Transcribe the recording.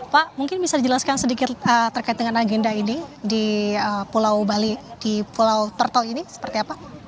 pak mungkin bisa dijelaskan sedikit terkait dengan agenda ini di pulau bali di pulau tertel ini seperti apa